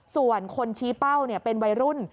ส่วนคนชี้เป้าเป็นวัยรุ่น